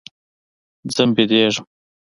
ځم بيدېږم.